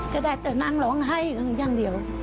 จะได้แต่นั่งร้องไห้อย่างเดียว